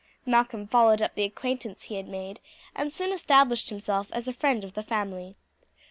Malcolm followed up the acquaintance he had made, and soon established himself as a friend of the family.